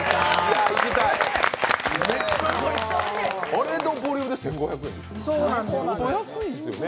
あれのボリュームで１５００円でしょ安いですよね。